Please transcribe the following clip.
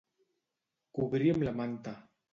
Cobrir amb la manta.